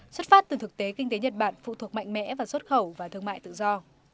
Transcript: xuất phát từ thực tế kinh tế nhật bản phụ thuộc mạnh mẽ vào xuất khẩu và thương mại tự do